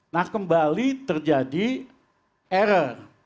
nah kembali terjadi error